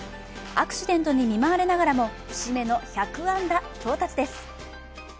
アクシデントに見舞われながらも節目の１００安打到達です。